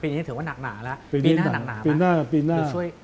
ปีนี้ถือว่าหนักหนาแล้ว